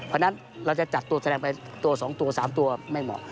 เพราะฉะนั้นเราจะจัดตัวแสดงไปตัว๒ตัว๓ตัวไม่เหมาะ